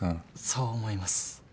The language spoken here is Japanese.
そう思います。